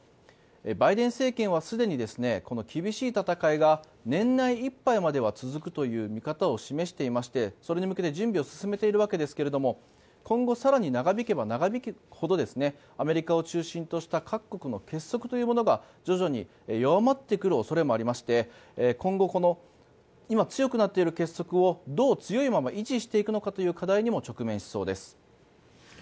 バイデン政権はすでにこの厳しい戦いが年内いっぱいまでは続くという見方を示していまして準備を進めているわけですが今後、更に長引けば長引くほどアメリカを中心とした各国の結束というものが徐々に弱まってくる恐れもありまして今後、今、強くなっている結束をどう強いまま維持していくかという課題にも直面しそうです。